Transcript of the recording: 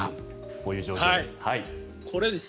こういう状況です。